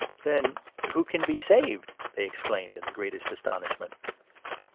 " Then who can be saved ?" they exclaimed in the greatest 26 astonishment.